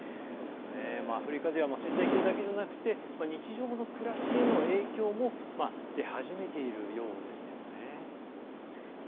アフリカでは生態系だけじゃなくて日常の暮らしへの影響も出始めているようですよね。